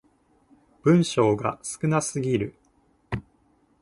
文章が少なすぎる